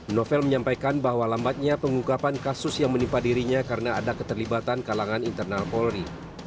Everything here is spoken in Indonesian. novel menyampaikan bahwa lambatnya pengungkapan kasus yang menimpa dirinya karena ada keterlibatan kalangan internal polri